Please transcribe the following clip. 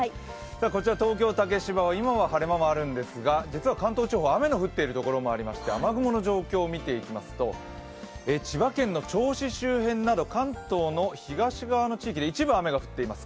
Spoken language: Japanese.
こちら東京竹芝は今は晴れ間もあるんですが、実は関東地方、雨の降っているところもありまして、雨雲の状況を見ていきますと千葉県の銚子周辺の関東の東側の地域で一部雨が降っています。